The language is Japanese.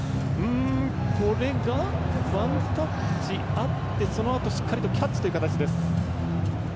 これが、ワンタッチあってそのあとしっかりとキャッチという形です。